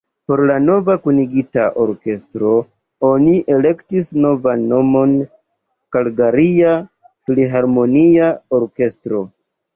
Por la nova kunigita orkestro oni elektis novan nomon: Kalgaria Filharmonia Orkestro.